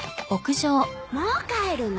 もう帰るの？